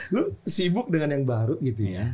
lu sibuk dengan yang baru gitu ya